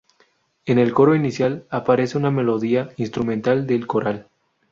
En el coro inicial aparece una melodía instrumental del coral.